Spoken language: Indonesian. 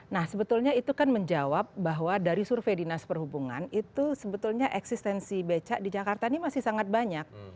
nah sebetulnya itu kan menjawab bahwa dari survei dinas perhubungan itu sebetulnya eksistensi becak di jakarta ini masih sangat banyak